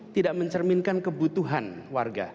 tidak mencerminkan kebutuhan warga